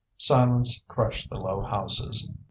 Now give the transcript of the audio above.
Silence crushed the low houses.